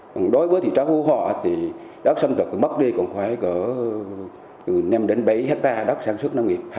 còn đối với thị trấn phú hòa đất sâm thực mất đi còn khoảng năm bảy hectare đất sản xuất năm nghiệp